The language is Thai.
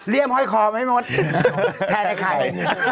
เลี่ยมห้อยคอไหมหมดแทนไอ้ใคร